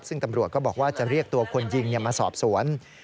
ซึ่งตำรวจก็บอกว่าจะเรียกตัวคนยิงมาสอบสวน